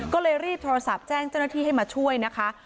ก็เลยรีบโทรศัพท์แจ้งเจ้าหน้าที่ให้มาช่วยนะคะ